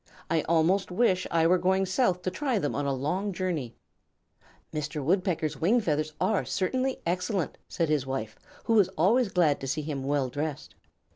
I almost wish I were going South to try them on a long journey." "Mr. Woodpecker's wing feathers are certainly excellent," said his wife, who was always glad to see him well dressed.